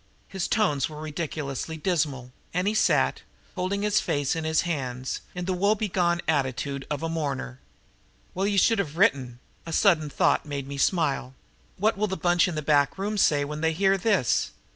His tones were ridiculously dismal, and he sat holding his face in his hands in the woebegone attitude of a mourner. "Well, you should have written." A sudden thought made me smile. "What will the bunch in the back room say when they hear this?